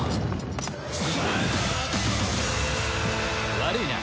悪いな。